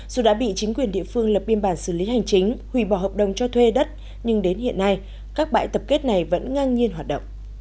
dù đã bị chính quyền địa phương lập biên bản xử lý hành chính hủy bỏ hợp đồng cho thuê đất nhưng đến hiện nay các bãi tập kết này vẫn ngang nhiên hoạt động